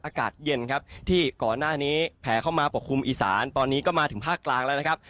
อากาศเย็นครับที่ก่อนหน้านี้แผลเข้ามาปกคลุมอีสานตอนนี้ก็มาถึงภาคกลางแล้วนะครับ